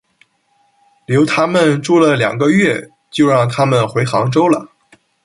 留他们住了两个月就让他们回杭州了。